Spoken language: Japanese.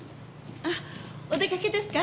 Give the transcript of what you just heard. あっお出かけですか？